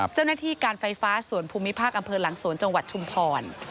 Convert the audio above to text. เจ้าหน้าที่การไฟฟ้าส่วนภูมิภาคอำเภอหลังสวนจังหวัดชุมพร